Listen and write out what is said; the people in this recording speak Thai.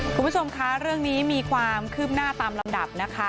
คุณผู้ชมคะเรื่องนี้มีความคืบหน้าตามลำดับนะคะ